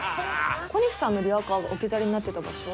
小西さんのリアカーが置き去りになってた場所。